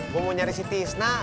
gue mau nyari si tisna